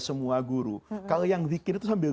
semua guru kalau yang zikir itu sambil